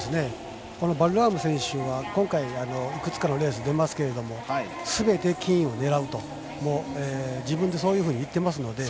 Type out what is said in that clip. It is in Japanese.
バルラーム選手は今回いくつかのレースに出ますがすべて金を狙うと自分でそう言っていますので。